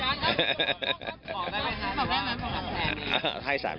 ของแม่มัน๓แสน